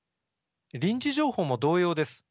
臨時情報も同様です。